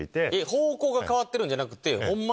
方向が変わってるんじゃなくて。